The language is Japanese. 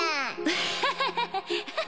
アハハハハ！